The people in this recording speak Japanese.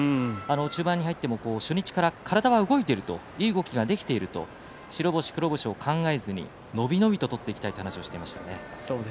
中盤に入っても初日から体は動いているいい動きができている白星、黒星を考えず伸び伸びと取っていきたいと話していました。